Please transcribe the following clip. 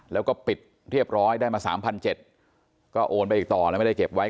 แล้วก็ปิดเรียบร้อยได้มา๓๗๐๐ก็โอนไปอีกต่อแล้วไม่ได้เก็บไว้